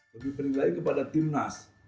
lebih penting lagi kepada timnas